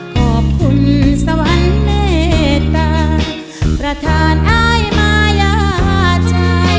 ขอบคุณสวรรค์เมตตาประธานอ้ายมายาใจ